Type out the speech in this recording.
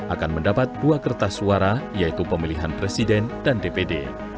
akan mendapat dua kertas suara yaitu pemilihan presiden dan dpd